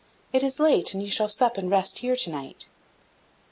"It is late, and you shall sup and rest here to night."